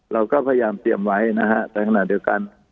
เราก็พยายามเตรียมไว้นะฮะแต่ขณะเดียวกัน